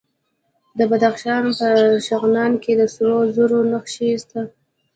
د بدخشان په شغنان کې د سرو زرو نښې شته.